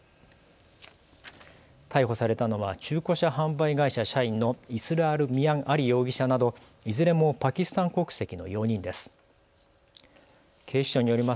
逮捕されたのは中古車販売会社社員のイスラール・ミアン・アリ容疑者などいずれもパキスタン国籍の４人です。